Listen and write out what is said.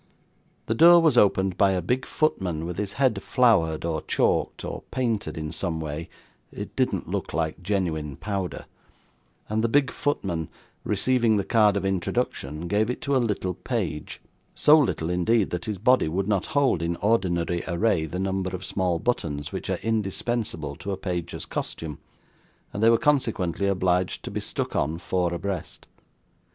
The door was opened by a big footman with his head floured, or chalked, or painted in some way (it didn't look genuine powder), and the big footman, receiving the card of introduction, gave it to a little page; so little, indeed, that his body would not hold, in ordinary array, the number of small buttons which are indispensable to a page's costume, and they were consequently obliged to be stuck on four abreast.